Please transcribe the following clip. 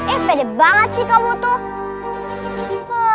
eh pede banget sih kamu tuh